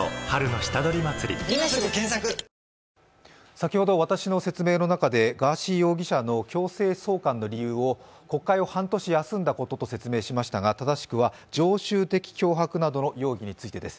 先ほど、私の説明の中でガーシー容疑者の強制送還の理由を国会を半年休んだことと説明しましたが正しくは常習的脅迫などの容疑についてです。